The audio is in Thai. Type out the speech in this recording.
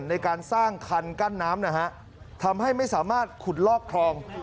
ในการสร้างคันกั้นน้ำนะฮะทำให้ไม่สามารถขุดลอกคลอง